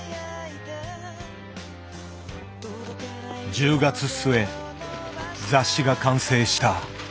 １０月末雑誌が完成した。